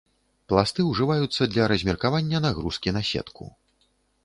Пласты ўжываюцца для размеркавання нагрузкі на сетку.